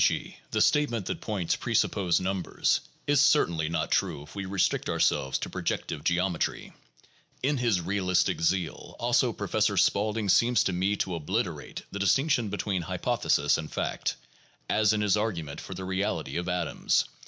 g., the statement that points presuppose numbers (p. 174) is certainly not PSYCHOLOGY AND SCIENTIFIC METHODS 207 true if we restrict ourselves to projective geometry. In his realistic zeal, also, Professor Spaulding seems to me to obliterate the distinc tion between hypothesis and fact, as in his argument for the reality of atoms.